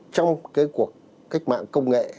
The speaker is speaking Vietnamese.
trong cái cuộc cách mạng công nghệ